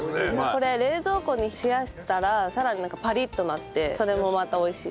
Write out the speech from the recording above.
これ冷蔵庫に冷やしたらさらにパリッとなってそれもまた美味しい。